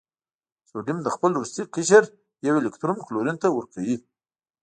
سوډیم د خپل وروستي قشر یو الکترون کلورین ته ورکوي.